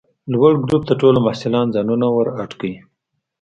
لوړ ګروپ ته ټوله محصلان ځانونه ور اډ کئ!